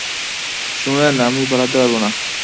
শুনেন, আমি পালাতে পারব না!